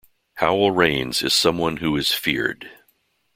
Howell Raines is someone who is feared.